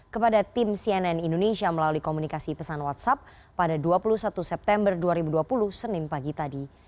kepada tim cnn indonesia melalui komunikasi pesan whatsapp pada dua puluh satu september dua ribu dua puluh senin pagi tadi